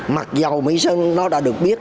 mặc dù mỹ sơn nó đã được biết